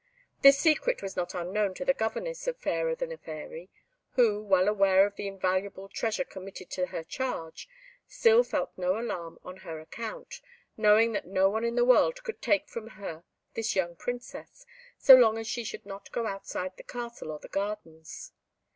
This secret was not unknown to the governess of Fairer than a Fairy, who, well aware of the invaluable treasure committed to her charge, still felt no alarm on her account, knowing that no one in the world could take from her this young princess, so long as she should not go outside the castle or the gardens.